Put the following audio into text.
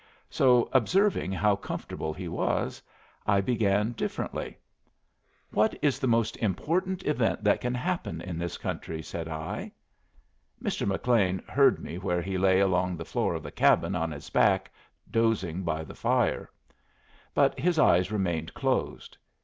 So, observing how comfortable he was, I began differently. "What is the most important event that can happen in this country?" said I. Mr. McLean heard me where he lay along the floor of the cabin on his back, dozing by the fire; but his eyes remained closed.